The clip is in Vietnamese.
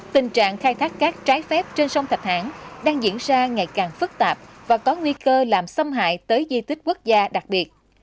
tình trạng khai thác cát trái phép trên sông thạch hãn đang diễn ra ngày càng phức tạp và có nguy cơ làm xâm hại tới di tích quốc gia đặc biệt